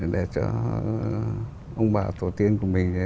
để cho ông bà tổ tiên của mình